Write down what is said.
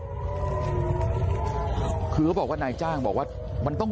พวกมันกลับมาเมื่อเวลาที่สุดพวกมันกลับมาเมื่อเวลาที่สุด